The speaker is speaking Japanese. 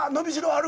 ある。